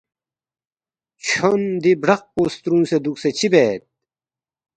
چھون دی برَق پو سترُونگسے دُوکسے چِہ بید؟“